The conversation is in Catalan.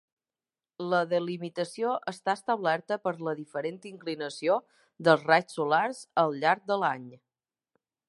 La delimitació està establerta per la diferent inclinació dels raigs solars al llarg de l'any.